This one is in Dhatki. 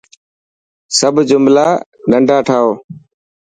سب جملا ننڊا ٺائو.